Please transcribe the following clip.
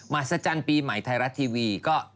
มาสัจจันทร์ปีใหม่ไทยรัฐทีวีก็